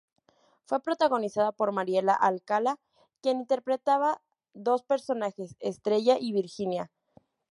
Fue protagonizada por Mariela Alcalá quien interpretaba dos personajes: Estrella y Virginia.